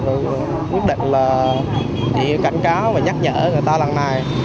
và quyết định là chỉ cảnh cáo và nhắc nhở người ta lần này